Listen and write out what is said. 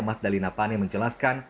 mas dalina pane menjelaskan